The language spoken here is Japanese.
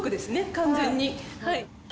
完全にはい。